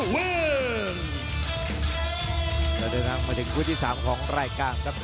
หน้าตนนะมาถึงคุณที่๓ของรายกลางกับ